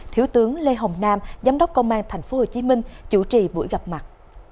thiếu tướng lê hồng nam giám đốc công an tp hcm chủ trì buổi gặp mặt